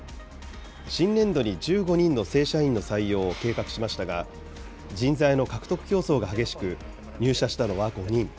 新年度に１５人の正社員の採用を計画しましたが、人材の獲得競争が激しく、入社したのは５人。